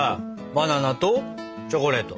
バナナとチョコレート。